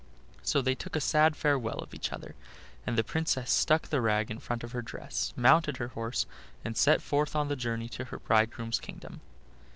So they took a sad farewell of each other, and the Princess stuck the rag in front of her dress, mounted her horse, and set forth on the journey to her bridegroom's kingdom.